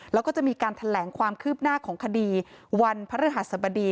แล้วก็จะมีการแถลงความคืบหน้าของคดีวันพระฤหัสบดี